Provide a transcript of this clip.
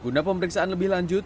guna pemeriksaan lebih lanjut